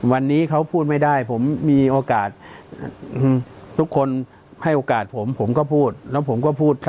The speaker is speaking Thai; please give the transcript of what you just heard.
วันนี้เขาพูดไม่ได้ผมมีโอกาสทุกคนให้โอกาสผมผมก็พูดแล้วผมก็พูด